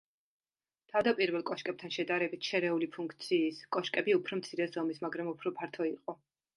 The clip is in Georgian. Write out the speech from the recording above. თავდაპირველ კოშკებთან შედარებით, შერეული ფუნქციის კოშკები უფრო მცირე ზომის, მაგრამ უფრო ფართო იყო.